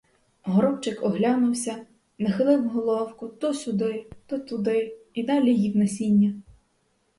Горобчик оглянувся, нахилив головку то сюди, то туди і далі їв насіння.